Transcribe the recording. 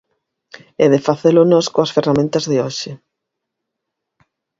E de facelo nós coas ferramentas de hoxe.